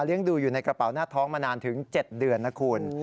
ดูอยู่ในกระเป๋าหน้าท้องมานานถึง๗เดือนนะคุณ